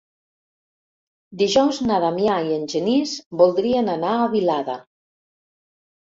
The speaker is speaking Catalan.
Dijous na Damià i en Genís voldrien anar a Vilada.